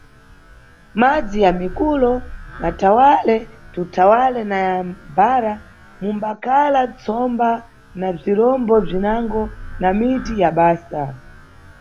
Madzi ya mʼmikulo, m, mathawale, mtumthawale na ya mbhara, mumbakhala ntsomba na bzirombo bzinango na miti ya basa.